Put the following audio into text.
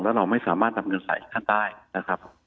แล้วเราไม่สามารถนำเงินใส่ท่านได้นะครับ